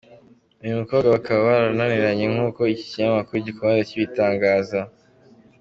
Uyu mukobwa bakaba baranararanye nk'uko iki kinyamakuru gikomeza kibitangaza.